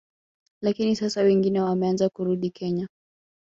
Lakini sasa wengi wameanza kurudi Kenya